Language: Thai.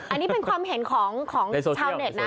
อันนี้เป็นความเห็นของชาวเน็ตนะ